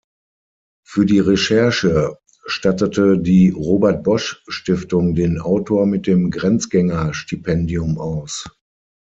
Für die Recherche stattete die Robert Bosch Stiftung den Autor mit dem Grenzgänger-Stipendium aus.